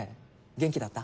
元気だった？